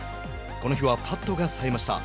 この日はパットがさえました。